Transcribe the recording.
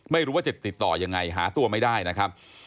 ไม่รู้ว่าจะติดต่อยังไงหาตัวไม่ได้นะครับ